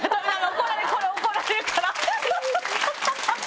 怒られるこれ怒られるから。